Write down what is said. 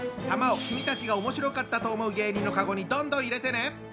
玉を君たちがおもしろかったと思う芸人のカゴにどんどん入れてね。